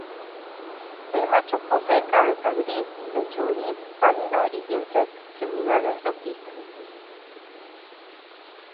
El macho posee cabeza gris, pecho gris pálido y vientre y extremidades rojizas.